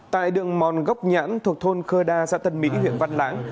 tại đường mòn gốc nhãn thuộc thôn khơ đa xã tân mỹ huyện văn lãng